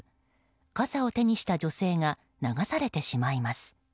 傘を手にした女性が流されてしまいます。